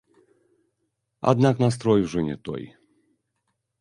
Аднак настрой ўжо не той.